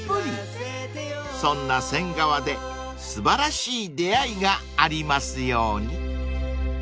［そんな仙川で素晴らしい出会いがありますように］